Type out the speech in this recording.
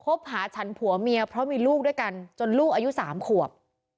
บหาฉันผัวเมียเพราะมีลูกด้วยกันจนลูกอายุ๓ขวบ